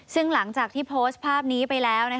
ซึ่งหลังจากที่โพสต์ภาพนี้ไปแล้ว